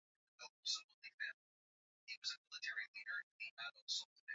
Baadae akamteua mbobezi mwingine balozi Lazaro Sokoine kuwa Katibu Mkuu wa wizara hiyo